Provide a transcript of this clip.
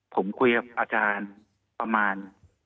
ผมคุยกับอาจารย์ประมาณ